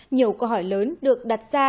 nhiều câu hỏi lớn được đặt ra